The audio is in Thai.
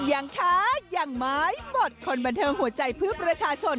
ยังคะยังไม้บดคนบันเทิงหัวใจเพื่อประชาชน